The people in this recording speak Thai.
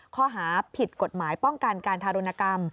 ข้อหาผิดกฎหมายป้องกันการทารุณกรรม